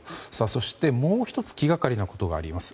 そして、もう１つ気がかりなことがあります。